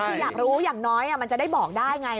คืออยากรู้อย่างน้อยมันจะได้บอกได้ไง